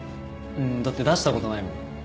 うんだって出したことないもん。